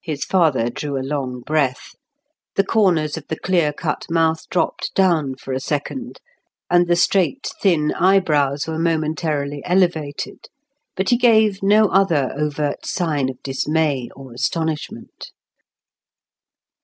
His father drew a long breath. The corners of the clear cut mouth dropped down for a second, and the straight, thin eyebrows were momentarily elevated. But he gave no other overt sign of dismay or astonishment.